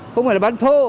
không phải là bán thô